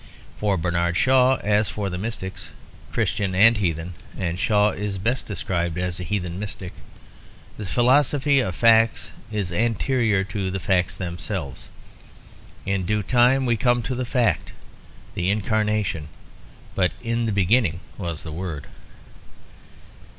For Bernard Shaw, as for the mystics, Christian and heathen (and Shaw is best described as a heathen mystic), the philosophy of facts is anterior to the facts themselves. In due time we come to the fact, the incarnation; but in the beginning was the Word.